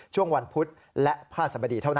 ช่วงวันพุธและพระสมดีเท่านั้น